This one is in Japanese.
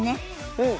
うん。